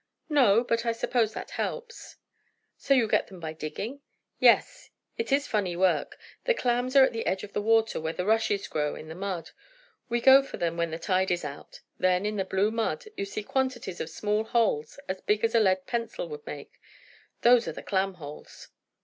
"No; but I suppose that helps." "So you get them by digging?" "Yes. It is funny work. The clams are at the edge of the water, where the rushes grow, in the mud. We go for them when the tide is out. Then, in the blue mud you see quantities of small holes as big as a lead pencil would make; those are the clam holes."